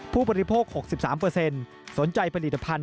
ผู้บริโภค๖๓สนใจผลิตภัณฑ